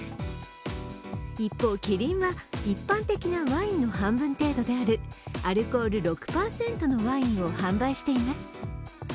一方、キリンは一般的なワインの半分程度であるアルコール６％のワインを販売しています。